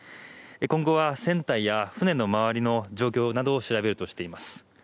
今後は船体や船の周りの状況などを調べるとしています。